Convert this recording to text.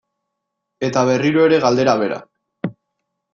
Eta berriro ere galdera bera.